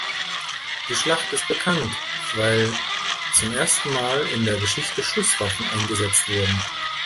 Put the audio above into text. Die Schlacht ist bekannt, weil zum ersten Mal in der Geschichte Schusswaffen eingesetzt wurden.